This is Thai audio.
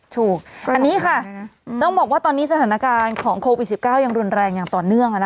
ถูกอันนี้ค่ะต้องบอกว่าตอนนี้สถานการณ์ของโควิด๑๙ยังรุนแรงอย่างต่อเนื่อง